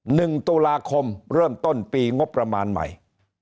หนึ่งตุลาคมเริ่มต้นปีงบประมาณใหม่